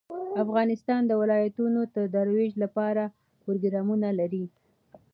افغانستان د ولایتونو د ترویج لپاره پروګرامونه لري.